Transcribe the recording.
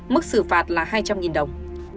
mức xử phạt là hai trăm linh đồng